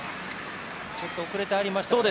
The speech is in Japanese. ちょっと遅れて入りましたね。